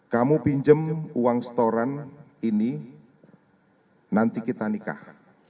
kamu pinjam uang setoran ini nanti kita nikah